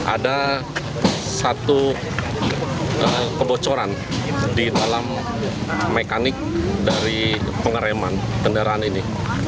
ada satu kebocoran di dalam mekanik dari pengereman kendaraan ini